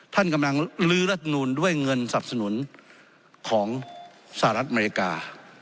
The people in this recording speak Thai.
ท่านกำลังลื้อรัฐมนูลด้วยเงินสับสนุนของสหรัฐอเมริกา